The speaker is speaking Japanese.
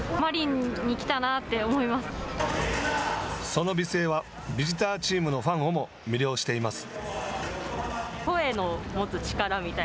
その美声は、ビジターのファンをも魅了しています。